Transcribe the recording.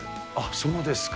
そうですか。